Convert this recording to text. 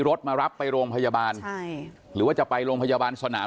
รถมารับไปโรงพยาบาลใช่หรือว่าจะไปโรงพยาบาลสนาม